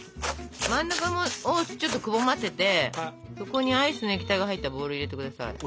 真ん中をちょっとくぼませてそこにアイスの液体が入ったボウルを入れて下さい。